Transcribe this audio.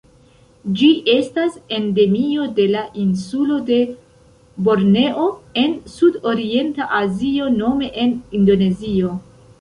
Ĝi estas endemio de la insulo de Borneo en Sudorienta Azio nome en Indonezio.